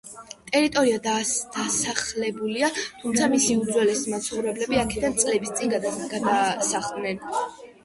ტერიტორია დასახლებულია, თუმცა მისი უძველესი მაცხოვრებლები აქედან წლების წინ გადაადგილდნენ.